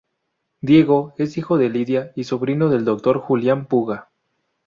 Diego es hijo de Lidia y sobrino del doctor Julián Puga.